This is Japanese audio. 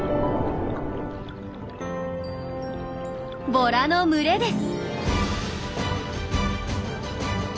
ボラの群れです。